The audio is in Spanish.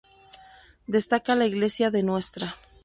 Destaca la Iglesia de Ntra.